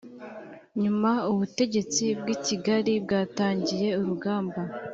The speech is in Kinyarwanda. Nyuma ubutegetsi bw i Kigali bwatangiye urugamba